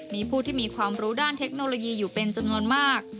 มีผู้ที่มีความรู้ด้านเทคโนโลยีอยู่เป็นจำนวนมาก